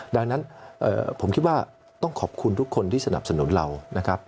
ดังนั้นผมคิดว่าต้องขอบคุณทุกคนที่สนับสนุนเรานะครับ